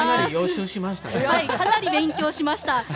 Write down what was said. かなり勉強しました。